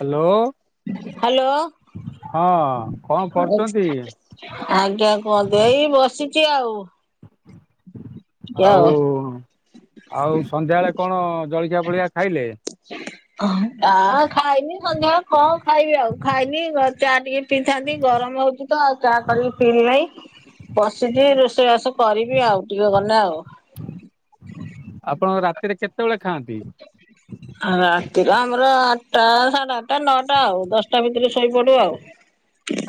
Hello hello ହଁ କଣ କରୁଛନ୍ତି? ଆଜ୍ଞା କୁହନ୍ତୁ ଏଇ ବସିଛି ଆଉ। ଆଉ ଆଉ ସନ୍ଧ୍ୟାବେଳେ କଣ ଜଳଖିଆ ଫଳଖିଆ ଖାଇଲେ। ଆ ଖାଇନି ସନ୍ଧ୍ୟାବେଳେ କଣ ଖାଇବି ଆଉ ଖାଇନି [unintelligible] ଚା ଟିକେ ପିଇଥାନ୍ତି ଗରମ ହଉଛି ତ ଆଉ ଚା କରିକି ପିଇଲି ନାଇଁ। ବଶିଛି ରୋଷେଇବାସ କରିବି ଆଉ ଟିକେ ଗଲେ ଆଉ। ଆପଣ ରାତିରେ କେତେବେଳେ ଖାଆନ୍ତି। ରାତିର ଆମର ଆଠଟା ସାଢେ ଆଠଟା ନଅଟା ଆଉ ଦଶଟା ଭିତରେ ଶୋଇପଡୁ ଆଉ।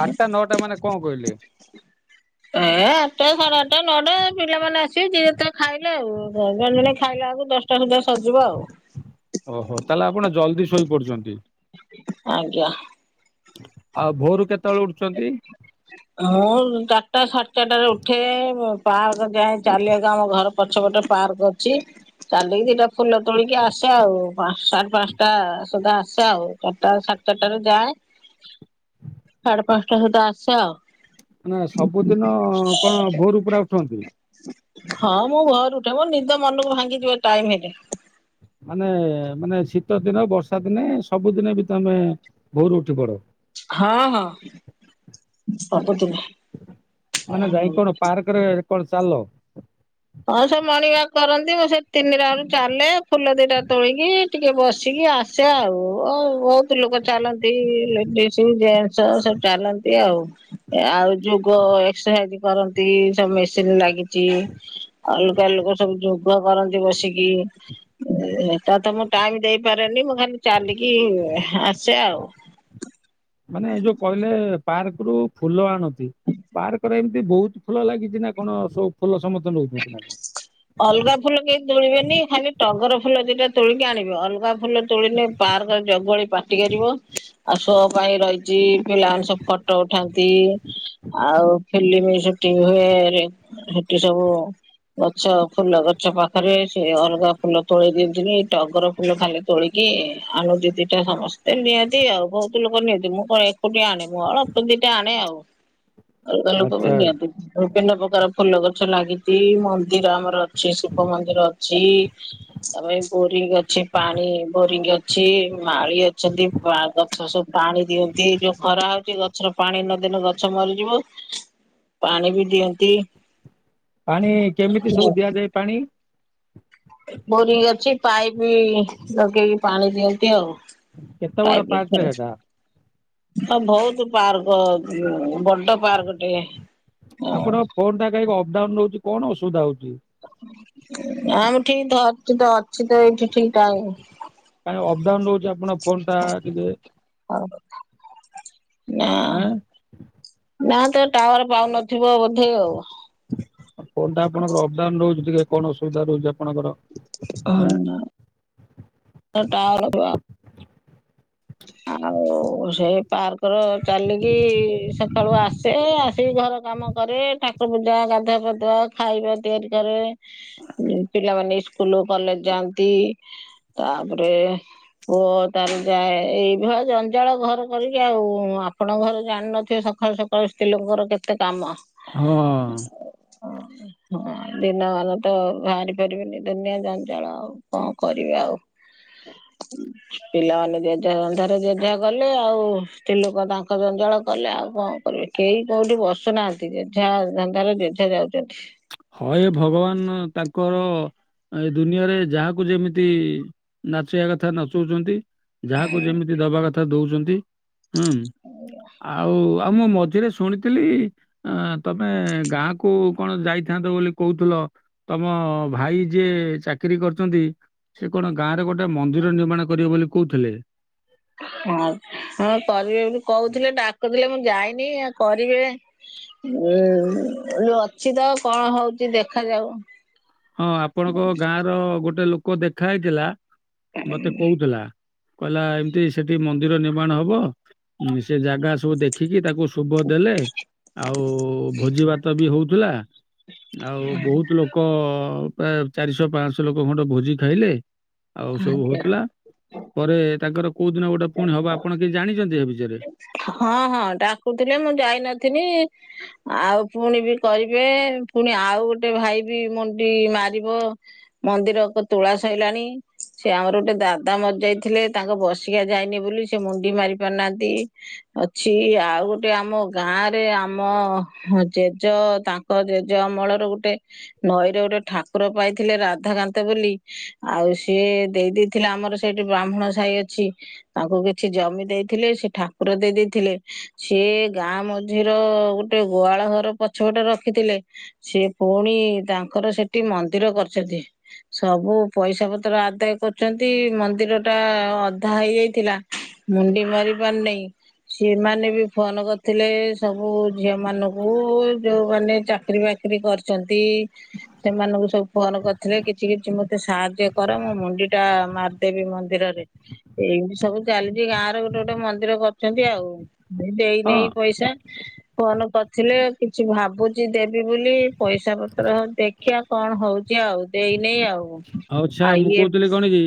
ଆଠଟା ନଅଟା ମାନେ କଣ କହିଲେ। ଏ ଆଠଟା ସାଢ଼େ ଆଠଟା ନଅଟା ପିଲାମାନେ ଆସିବେ ଯିଏ ଯେତେବେଳେ ଖାଇଲେ ଆଉ ଦ ଜଣ ଜଣେ ଖାଇଲେ ଆକୁ ଦଶଟା ଦଶଟା ସୁଦ୍ଧା ସରିଜିବ ଆଉ। ଓହୋ ତାହେଲେ ଆପଣ ଜଲଦି ଶୋଇପଡୁଛନ୍ତି। ଆଜ୍ଞା। ଆଉ ଭୋରୁ କେତେବେଳେ ଉଠୁଛନ୍ତି। ମୁଁ ଚାରିଟା ସାଢେ ଚାରିଟାରେ ଉଠେ। ପାର୍କ ଯାଏ ଚାଲିିବାକୁ ଆମ ଘର ପଛ ପଟେ ପାର୍କ ଅଛି। ଚାଲିକି ଦିଟା ଫୁଲ ତୋଳିକି ଆସେ ଆଉ ପାଞ୍ଚଟା ସାଡେ ପାଞ୍ଚଟା ସୁଦ୍ଧା ଆସେ ଆଉ ଚାରିଟା [unintelligible] ଚାରିଟାରୁ ଯାଏ। ସାଢେ ପାଞ୍ଚଟା ସୁଦ୍ଧା ଆସେ ଆଉ। ନା ସବୁଦିନ କଣ ଭୋର ପୁରା ଉଠନ୍ତି। ହଁ ମୁଁ ଭୋରୁ ଉଠେମ ନିଦ ମନକୁ ଭାଙ୍ଗିଯିବ ଟାଇମ ହେଲେ। ମାନେ ମାନେ ଶୀତ ଦିନ ବର୍ଷା ଦିନେ ସବୁଦିନେ ବି ତମେ ଭୋରୁ ଉଠି ପଡ। ହଁ ହଁ [unintelligible] ମାନେ ଯାଇ କଣ ପାର୍କ ରେ କଣ ଚାଲ? ହଁ ସେ ମଣିଙ୍ଗ୍ ୱାଲକ୍ କରନ୍ତି ଆଉ, ସେ ତିନି ରାଉଣ୍ଡ୍ ଚାଲେ, ଫୁଲ ଦିଟା ତୋଳିକି ଟିକେ ବସିକି ଆସେ ଆଉ, ଆ ବହୁତ ଲୋକ ଚାଲନ୍ତି, ଲେଡିସ୍ ଜେଣ୍ଟସ୍ ସ, ସବୁ ଚାଲନ୍ତି ଆଉ। ଆଉ ଯୋଗ ଏକ୍ସରସାଇଜ କରନ୍ତି, ସବୁ ମେସିନ ଲାଗିଚି ଅଲଗା ଲୋକ ସବୁ ଯୋଗ କରନ୍ତି ବସିକି ଏଟା ତ ମୁଁ ଟାଇମ୍ ଦେଇପାରେନି, ମୁଁ ଖାଲି ଚାଲିକି ଆସେ ଆଉ। ମାନେ ଏ ଯୋଉ କହିଲେ ପାର୍କ ରୁ ଫୁଲ ଆଣନ୍ତି ପାର୍କରେ ଏମିତି ବହୁତ ଫୁଲ ଲାଗିଛି ନା କଣ, ସବୁ ଫୁଲ ସମସ୍ତ ନଉଛନ୍ତି ନା କଣ? ଅଲଗା ଫୁଲ କେହି ତୋଳିବେନି, ଖାଲି ଟଗର ଫୁଲ ଦିଟା ତୋଳିକି ଆଣିବେ, ଅଲଗା ଫୁଲ ତୋଳିଲେ ପାର୍କର ଜଗୀଆଳି ପାଟି କରିବ। ଆଉ ଶୋ ପାଇଁ ରହିଚି, ପିଲାମାନେ ସବୁ ଫଟୋ ଉଠାନ୍ତି। ଆଉ ଫିଲିମ୍ ସୁଟିଂ ହୁଏ, ସେଠି ସବୁ ଗଛ, ଫୁଲ ଗଛ ପାଖରେ, ସେ ଅଲଗା ଫୁଲ ତୋଳେଇ ଦିଅନ୍ତିନି, ଟଗର ଫୁଲ ଖାଲି ତୋଳିକି ଆଣୁ ଦି ଦିଟା ସମସ୍ତେ, ନିଅନ୍ତି ଆଉ ବହୁତ ଲୋକ ନିଅନ୍ତି, ମୁଁ କଣ ଏ ଏକୁଟିଆ ଆଣେ, ମୁଁ ଅଳପ ଦିଇଟା ଆଣେ ଆଉ। ଅଲଗା ଲୋକ ବି ଆଚ୍ଛା ନିଅନ୍ତି, ବିଭିନ୍ନ ପ୍ରକାର ଫୁଲ ଗଛ ଲାଗି ତି, ମନ୍ଦିର ଆମର ଅଛି, ଶିବ ମନ୍ଦିର ଅଛି। ତା ପାଇଁ ବୋରିଙ୍ଗ ଅଛି, ପାଣି ବୋରିଙ୍ଗ ଅଛି ଇ। ମାଳି ଅଛନ୍ତି, ଗଛ ସବୁ ପାଣି ଦିଅନ୍ତି, ଯୋଉ ଖରା ହ ଟେ ଗଛର ପାଣି ନ ଦେନେ ଗଛ ମରିଯିବ, ପାଣି ବି ଦିଅନ୍ତି। ପାଣି କେମିତି ସବୁ ଦିଆଯାଏ? ପାଣି? ବୋରିଂ ଅଛି, ପାଇପ୍ ଲଗେଇକି ପାଣି ଦିଅନ୍ତି କେତେ ଆଉ। ବଡ ପାର୍କଟେ [unintelligible] ସେଟା? ହଁ ବହୁତ ପାର୍କ, ବଡ ପାର୍କ ଟେ। ଆପଣଙ୍କ ଫୋନ୍ ଟା କାହିଁକି ଅପ୍ଡାଉନ ରହୁଚି, କଣ ଅସୁବିଧା ହଉଚି? ଆମେ ଠିକ୍ ଧରିଚୁ ତ, ଅଛି ତ ଏଇଠି ଠିକ ଟାଇମ୍ କାଇଁ ଅପଡାଉନ ରହୁଚି, ଆପଣଙ୍କ ଫୋନ ଟା ଟିକେ? ହଉ ନା ଆଁ ନା ତ ଟାୱାର ପାଉନଥିବ ବୋଧେ ଆଉ। ଫୋନ୍ ଟା ଆପଙ୍କର ଅପଡାଉନ ରହୁଚି, ଟିକେ କଣ ଅସୁବିଧା ରହୁଛି ଆପଣଙ୍କର। ଆଁ? ତ ଟାୱାର କୁ ଆ। ଆଉ ସେଇ ପାର୍କରେ ଚାଲିକି, ସକାଳୁ ଆ ସେ ଆସିକି ଘର କାମ କରେ, ଠାକୁର ପୂଜା, ଗାଧୁଆ ପାଧୁଆ, ଖାଇବା ତିଆରି କରେ। ପିଲାମାନେ ସ୍କୁ ସ୍କୁଲ୍ କଲେଜ ଯାଆନ୍ତି, ତାପରେ ପୁଅ ତାର ଯାଏ। ଏଇଭଳିଆ ଜଞ୍ଜାଳ ଘର କରିକି ଆଉ, ଆପଣଙ୍କ ଘରେ ଜାଣିନଥିବେ ସକାଳୁ ସକାଳୁ ସକାଳୁ ସ୍ତ୍ରୀ ଲୋକଙ୍କର କେତେ କାମ? ହଉ ଆଉ। ହଁ। ହଁ, ଦିନମାନ ତ ବାହାରି ପାରିବିନି ଦୁନିଆ ଜଞ୍ଚାଳ ଆଉ, କଣ କରିବି ଆଉ? ପିଲାମାନେ ଯେମିତି ସେ ଅନ୍ଧାର ଜାଗା ଗଲେ, ଆଉ ସ୍ତ୍ରୀଲୋକ ତାଙ୍କ ଜଞ୍ଜାଳ କଲେ, ଆଉ କଣ କରିବେ? କେହି କୋଉଠି ବସୁନାହାନ୍ତି, ଜେଝା ଧନ୍ଦାରେ ଜେଝା ଯାଉଚନ୍ତି। ହଁ ଇଏ ଭଗବାନ ତାଙ୍କର ଏ ଦୁନିଆରେ ଯାହାକୁ ଯେମିତି ନାଚେବା କଥା ନଚଉଛନ୍ତି ଯାହାକୁ ଯେମିତି ଦବା କଥା ଦଉଛନ୍ତି ହୁଁ ଆଉ ଆଉ ମୁଁ ମଝିରେ ଶୁଣିଥିଲି ତମେ ଗାଁ କୁ କଣ ଯାଇଥିଲ ଥାଆନ୍ତ ବୋଲି କହୁଥିଲ ତମ ଭାଇ ଯିଏ ଚାକିରୀ କରିଛନ୍ତି ସେ କଣ ଗାଁ ରେ ଗୋଟେ ମନ୍ଦିର ନିର୍ମାଣ କରିବେ ବୋଲି କହୁଥିଲେ ହଁ ହଁ କରିବେ ବୋଲି କହୁଥିଲେ ଡାକୁଥିଲେ ମୁଁ ଯାଇନି ଆଉ କରିବେ ଉ ଅଛି ତ କଣ ହଉଛି ଦେଖାଯାଉ ହଁ ଆପଣଙ୍କ ଗାଁ ର ଗୋଟେ ଲୋକ ଦେଖା ହେଇଥିଲା ମତେ କହୁଥିଲା କହିଲା ଏମିତି ସେଠି ମନ୍ଦିର ନିର୍ମାଣ ହବ ହଁ ସେ ଜାଗା ସବୁ ଦେଖିକି ତାକୁ ଶୁଭ ଦେଲେ ଆଉ ଭୋଜି ଭାତ ବି ହଉଥିଲା ଆଉ ବହୁତ ଲୋକ ପ୍ରାୟ ଚାରିଶହ ପାଞ୍ଚଶହ ଲୋକ ଖଣ୍ଡ ଭୋଜି ଖାଇଲେ ଆଉ ସବୁ ଆଜ୍ଞା ହଉଥିଲା ପରେ ତାଙ୍କର କୋଉ ଦିନ ଗୋଟେ ପୁଣି ହବ ଆପଣ କିଛି ଜାଣିଛନ୍ତି ଏ ବିଷୟରେ? ହଁ ହଁ ଡାକୁଥିଲେ ମୁଁ ଯାଇ ନଥିଲି ଆଉ ପୁଣି ବି କରିବେ ପୁଣି ଆଉ ଗୋଟେ ଭାଇ ବି ମୁଣ୍ଡି ମାରିବ ମନ୍ଦିର ତୋଳା ସଇଲାଣି ସେ ଆମର ଗୋଟେ ଦାଦା ମରିଜାଇ ଥିଲେ ତାଙ୍କ ବସିକିଆ ଯାଇନି ବୋଲି ସେ ମୁଣ୍ଡି ମାରି ପାରିନାହାନ୍ତି। ଅଛି ଆଉ ଗୋଟେ ଆମ ଗାଁରେ ଆମ ଜେଜ ତାଙ୍କ ମେ ଜେଜଅମଳର ଗୋଟେ ନଈରେ ଗୋଟେ ଠାକୁର ପାଇଥିଲେ ରାଧାକାନ୍ତ ବୋଲି ଆଉ ସିଏ ଦେଇଦେଇଥିଲେ ଆମର ସେଇଠି ବ୍ରାହ୍ମଣ ସାହି ଅଛି ତାଙ୍କୁ କିଛି ଜମି ଦେଇଥିଲେ ସେ ଠାକୁର ଦେଇ ଦେଇଥିଲେ ସିଏ ଗାଁ ମଝିର ଗୋଟେ ଗୁହାଳ ଘର ପଛପଟ ରଖିଥିଲେ ସିଏ ପୁଣି ତାଙ୍କର ସେଠି ମନ୍ଦିର କରିଛନ୍ତି ସବୁ ପଇସା ପତ୍ର ଆଦାୟ କରିଛନ୍ତି ମନ୍ଦିର ଟା ଅଧା ହେଇଯାଇଥିଲା ମୁଣ୍ଡି ମାରି ପାରୁନାହିଁ। ସେମାନୋ ବି ଫୋନ କରିଥିଲେ ସବୁ ଝିଅ ମାନଙ୍କୁ ଯୋଉମାନେ ଚାକିରୀ ବାକି ଚାକିରି କରିଛନ୍ତି ସେମାନଙ୍କୁ ସବୁ ଫୋନ କରିଥିଲେ କିଛି କିଛି ମତେ ସାହାଯ୍ୟ କର ମୁଁ ମୁଣ୍ଡି ଟା ମାରିଦିଏ ଦେବୀ ମନ୍ଦିରରେ ଏଇମିତି ସବୁ ଚାଲିଛି ଗାଁ ର ଗୋଟେ ଗୋଟେ ମନ୍ଦିର କରଛନ୍ତି ଆଉ ଦେଇ ହଁ ନେଇ ଆଉ ପଇସା ଫୋନ କରିଥିଲେ କିଛି ଭାବୁଛି ଦେବି ବୋଲି ପଇସା ପତ୍ର ଦେ ଦେଖିବା କଣ ହଉଛି ଆଉ ଦେଇନାଇ ଆଉ ଆଛା ଆଉ ମୁଁ ଇଏ କହୁଥିଲି କଣ କି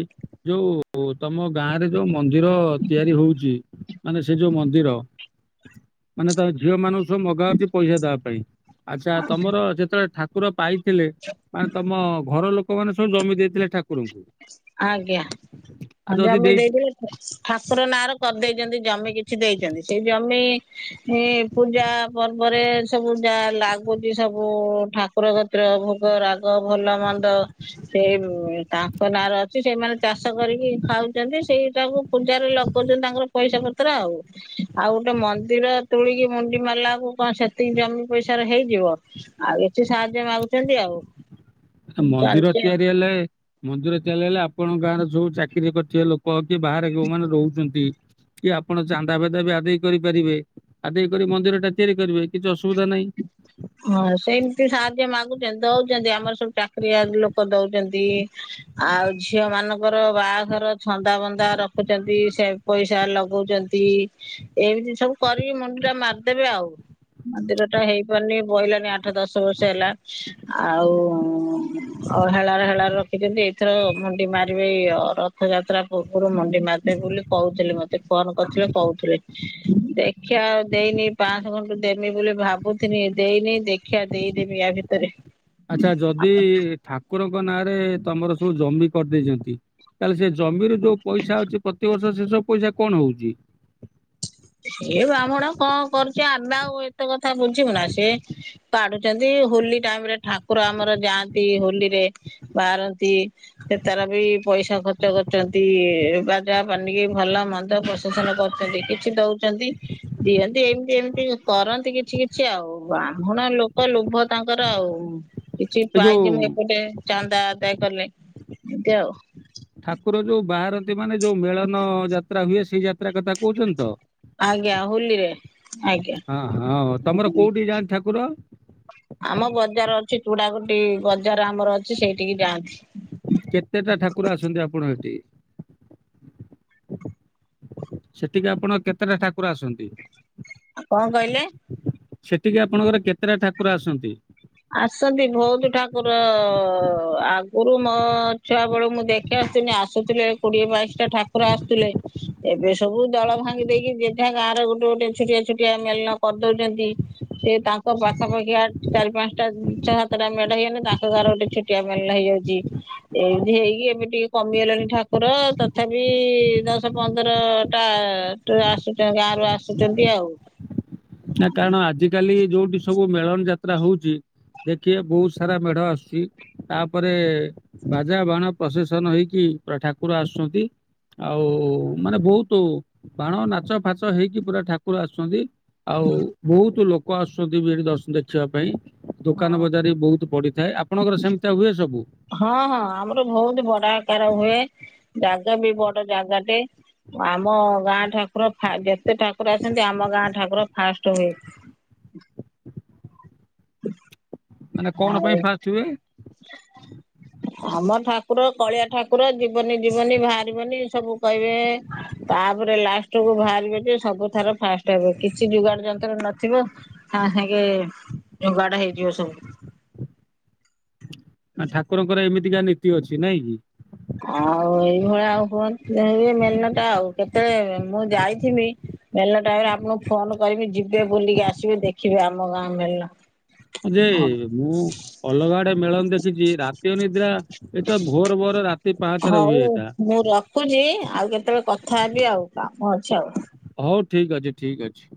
ଯୋଉ ତମ ଗାଁ ରେ ଯୋଉ ମନ୍ଦିର ତିଆରି ହୋଉଛି ମାନେ ସେ ଯୋଉ ମନ୍ଦିର ମାନେ ତା ଝିଅ ମାନ ମଗାହଉଛି ପଇସା ଦେବା ପାଇଁ ଆଛା ତମର ଯେତେବେଳେ ଠାକୁର ଠାକୁର ପାଇଥିଲେ ମାନେ ତମ ଘର ଲୋକମାନେ ସବୁ ଜମି ଦେଇଥିଲେ ଠାକୁରଙ୍କୁ ଆଜ୍ଞା ଆଉ ହଁ ଯଦି ଜମି ଦେଇ ଦେଇଥିଲେ ଠାକୁର ନାଁରେ କରିଦେଇଛନ୍ତି ଜମି କିଛି ଦେଇଛନ୍ତି ସେଇ ଜମି ଏଁ ପୂଜା ପର୍ବରେ ସବୁ ଯା ଲାଗୁଛି ସବୁ ଠାକ କରଗୋତ୍ରୋ ଭୋଗ ରାଗ ଭଲ ମନ୍ଦ ସେଇ ତା ତାଙ୍କ ନାରେ ଅଛି ସେମାନେ ଚାଷ କରିକି ଖାଉଛନ୍ତି ସେଇଟାକୁ ପୂଜାରେ ଲଗଉଛନ୍ତି ତାଙ୍କର ପଇସା ପତ୍ର ଆଉ ଆଉ ଗୋଟେ ମନ୍ଦିର ତୋଳିକି ମୁଣ୍ଡି ମାରିଲାକୁ କଣ ସେତିକି ଜମି ପଇସାରେ ହେଇଯିବ ଆଉ କିଛି ସାହାଯ୍ୟ ମାଗୁଛନ୍ତି ଆଉ? ମନ୍ଦିର ଚାଲିଛି ଆଉ ତିଆରି ହେଲେ, ମନ୍ଦିର ତିଆରି ହେଲେ ଆପଣଙ୍କ ଗାଁର ଯୋଉ ଚାକିରି ଚାକିରି କରିଥିବା ଲୋକ କି ବାହାରେ ଯୋଉମାନେ ରହୁଛନ୍ତି କି ଆପଣ ଚାନ୍ଦା-ଫାନ୍ଦା ଭି ଆଦାୟ କରିପାରିବେ। ଆଦେଇ କରି ମନ୍ଦିରଟା ତିଆରି କରିବେ, କିଛି ଅସୁବିଧା ନାହିଁ। ହଁ, ସେମିତି ସାହାଯ୍ୟ ମାଗୁଛନ୍ତି, ଦଉଛନ୍ତି, ଆମର ସବୁ ଚାକିରିଆ ଲୋକ ଦଉଛନ୍ତି। ଆଉ ଝିଅ ମାନଙ୍କର ବାହାଘର ଛନ୍ଦା-ବନ୍ଦା ରଖୁଛନ୍ତି, ସେ ପଇସା ଲଗଉଛନ୍ତି, ଏମିତି ସବୁ କରିକି ମୁଣ୍ଡି ଟା ମାରିଦେବେ ଆଉ। ମନ୍ଦିରଟା ହେଇପାରୁନି ପହିଲାନି ଆଠ, ଦଶ ବର୍ଷ ହେଲା। ଆଉ ଅ ହେଳାରେ, ହେଳାରେ ରଖିଛନ୍ତି, ଏଇଥର ମୁଣ୍ଡି ମାରିବେ, ରଥ ରଥଯାତ୍ରା ପୂର୍ବରୁ ମୁଣ୍ଡି ମାରିଦେବେ ବୋଲି କହୁଥିଲେ, ମତେ ଫୋନ୍‌ କରିଥିଲେ, କହୁଥିଲେ। ଦେଖିଆ ଆଉ ଦେଇନି, ପାଁଶହ ଖଣ୍ଡେ ଦେମି ବୋଲି ଭାବୁ ଥିନି ଦେଇନି, ଦେଖିବା, ଦେଇଦେବି ୟା ଭିତରେ। ଆଚ୍ଛା, ଯଦି ଠାକୁରଙ୍କ ନାଁରେ ତମର ସବୁ ଜମି କରିଦେଇଛନ୍ତି। ତାହେଲେ ସେ ଜମିରେ ଯୋଉ ପଇସା ଅଛି, ପ୍ରତିବର୍ଷ ସେ ସବୁ ପଇସା କଣ ହଉଛି? ଇଏ ବ୍ରାହ୍ମଣ କଣ କରୁଛି? ଆମେ ଆଉ ଏତେ କଥା ବୁଝିବୁନା, ସିଏ ତାଡୁଛନ୍ତି, ହୋଲି ଟାଇମରେ ଠାକୁର ଆମର ଯାଆନ୍ତି, ହୋଲିରେ ବାହାରନ୍ତି। ସେତାର ବି ପଇସା ଖର୍ଚ୍ଚ କରୁଛନ୍ତି, ବାଜା, ପାନିକି, ଭଲମନ୍ଦ, ପସ ନ କରୁଛନ୍ତି, କିଛି ଦଉଛନ୍ତି। ଦିଅନ୍ତି, ଏମିତି ଏମିତି କରନ୍ତି କିଛି କିଛି, ଆଉ ବ୍ରାହ୍ମଣ ଲୋକ ଲୋଭ ତାଙ୍କର ଆଉ, କିଛି ଏ ଯୋଉ ପାଇଛି ମୁଁ ଏପଟେ ଚାନ୍ଦା ଆଦାୟ କଲେ, ଏମିତି ଆଉ। ଠାକୁର ଯୋଉ ବାହାରନ୍ତି, ମାନେ ଯୋଉ ମେଳନ ଯାତ୍ରା ହୁଏ, ସେଇ ଯାତ୍ରା କଥା କହୁଛନ୍ତି ତ? ଆଜ୍ଞା, ହୋଲିରେ। ଆଜ୍ଞା ହଁ, ହଁ, ତମର କୋଉଠି ଯାଆନ୍ତି, ଠାକୁର? ଆମ ବଜାର ଅଛି, ତୁଡା ଗୋଟି ବଜାର ଆମର ଅଛି, ସେଇଠିକି ଯାଆନ୍ତି। କେତେଟା ଠାକୁର ଆସନ୍ତି, ଆପଣଙ୍କ ଏଠି? ସେଠିକି ଆପଣ କେତେଟା ଠାକୁର ଆସନ୍ତି? କଣ କହିଲେ? ସେଠିକି ଆପଣଙ୍କର କେତେଟା ଠାକୁର ଆସନ୍ତି? ଆସନ୍ତି ଭଉତୁ ଠାକୁର-ଅ-ଅ-ଅ, ଆଗରୁ ମୋ ଛୁଆ ବେଳୁ ମୁଁ ଦେଖ ଦେଖ ଆସୁନି, ଆସୁଥିଲେ କୋଡିଏ, ବାଇଶି ଟା ଠାକୁର ଆସୁଥିଲେ। ଏବେ ସବୁ ଦଳ ଭାଙ୍ଗି ଦେଇକି, ଯେ ଯାହା ଗାଁର ଗୋଟେ ଗୋଟେ ଛୋଟିଆ ଛୋଟିଆ ମେଲନ କରିଦଉଛନ୍ତି। ସେ ତା ତାଙ୍କ ପାଖାପାଖି ଆ ଚାରି, ପାଞ୍ଚଟା, ଛଅ, ସାତଟା ମେଢ଼ ହେଇଗଲେ, ତାଙ୍କ ଗାଁର ଗୋଟେ ଛୁଟିଆ ମେଳନ ହେଇଯାଉଛି। ଏମିତି ହେଇକି ଏବେ ଟିକେ କମିଗଲେଣି ଠାକୁର, ତଥାପି ଦଶ, ପନ୍ଦର ଟା ଟ୍ର ଆସୁଛନ୍ତି, ଗାଁ ରୁ ଆସୁଛନ୍ତି ଆଉ। ନା କାରଣ ଆଜି କାଲି ଯୋଉଠି ସବୁ ମେଳନ ଯାତ୍ରା ହଉଛି ଦେଖିବେ ବହୁତ ସାରା ମେଢ଼ ଆସୁଛି। ତାପରେ ବାଜା, ବାଣ, ପ୍ରସେସନ୍‌ ହେଇକି ପୁରା ଠାକୁର ଆସୁଛନ୍ତି। ଆଉ, ମାନେ ବହୁତୁ ବାଣ, ନାଚ-ଫାଚ ହେଇକି ପୁରା ଠାକୁର ଆସୁଛନ୍ତି। ଆଉ ବହୁତ ଲୋକ ଆସୁଛନ୍ତି ଭି ଦର୍ଶନ ଏଠି ଦେଖିବା ପାଇଁ। ଦୋକାନ ହଁ ବଜାର ବି ବହୁତୁ ପଡିଥାଏ। ଆପଣଙ୍କର ସେମିତିଆ ହୁଏ ସବୁ? ହଁ, ହଁ, ଆମର ବହୁତ ବଡ଼ ଆକାର ହୁଏ। ଜାଗା ବି ବଡ଼ ଜାଗାଟେ। ଆମ ଗାଁ ଠାକୁର ଫା ଯେତେ ଠାକୁର ଆସନ୍ତି, ଆମ ଗାଁ ଠାକୁର ଫାଷ୍ଟ ହୁଏ। ମାନେ କଣ ହଉ। ପାଇଁ ଫାଷ୍ଟ ହୁଏ? ଆମ ଠାକୁର କଳିଆ ଠାକୁର ଜୀବନି ଜୀବନି ବାହାରିବନି ସବୁ କହିବେ। ତାପରେ ଲାଷ୍ଟ କୁ ବାହାରିବେ ଯେ ସବୁ ଥର ଫାଷ୍ଟ ହେବ କିଛି ଯୋଗାଡ ଯନ୍ତ୍ର ନଥିବ। ହଁ ସାଙ୍ଗେ ଯୋଗାଡ ହେଇଯିବ ସବୁ। ନା ଠାକୁରଙ୍କର ଏମିତିକା ନୀତି ଅଛି ନାଇଁ କି। ଆଉ ଏଇଭଳିଆ ଆଉ କୁହନ୍ତି ମେଟା ଆଉ କେତେ ମୁଁ ଯାଇଥିମି। ମେଲ ଟାଇମ ରେ ଆପଣଙ୍କୁ ଫୋନ କରିବି ଯିବେ ବୁଲିକି ଆସିବେ ଦେଖିବେ ଆମ ଗାଁ ମେଲ। ଯେ ମୁଁ। ଅଲଗା ଆଡେ ମେଳନ ଦେଖିଛି ରାତି ଅନିଦ୍ରା ଏ ତ ଭୋର ଭୋର ରା ହଉ ମୁଁ ରଖୁଛି ଆଉ କେତେବେଳେ କଥା ହେବି ଆଉ କାମ ଅଛି ଆଉ। ହଉ ଠିକ୍ ଅଛି ଠିକ୍ ଅଛି।